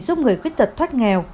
giúp người khuyết tật thoát nghèo